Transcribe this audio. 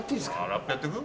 ラップやってく？